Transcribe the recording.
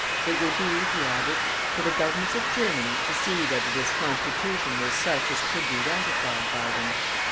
It would be, he added, for the Governments of Germany to see whether this Constitution was such as could be ratified by them.